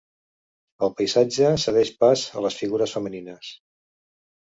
El paisatge cedeix pas a les figures femenines.